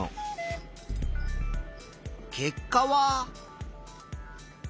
結果は。